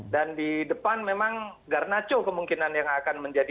jadi sekarang untuk itu yang p elevatar nya